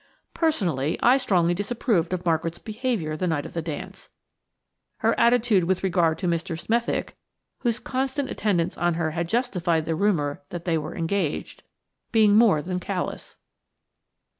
Personally, I strongly disapproved of Margaret's behaviour the night of the dance; her attitude with regard to Mr. Smethick–whose constant attendance on her had justified the rumour that they were engaged–being more than callous.